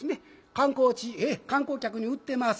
観光地観光客に売ってます。